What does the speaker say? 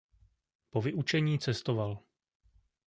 Po vyučení cestoval.